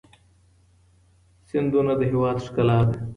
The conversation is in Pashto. سیندونه د هیواد ښکلا ده.